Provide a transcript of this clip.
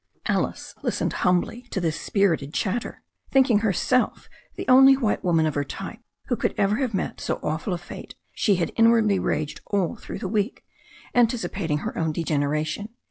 Alice listened humbly to this spirited chatter. Thinking herself the only white woman of her type who could ever have met so awful a fate, she had inwardly raged all through the week, anticipating her own degeneration.